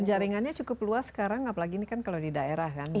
dan jaringannya cukup luas sekarang apalagi ini kan kalau di daerah kan